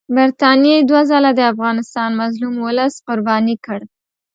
برټانیې دوه ځله د افغانستان مظلوم اولس قرباني کړ.